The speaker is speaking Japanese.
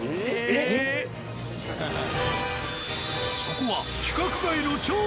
［そこは］